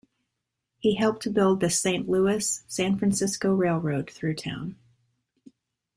He helped build the Saint Louis-San Francisco Railroad through town.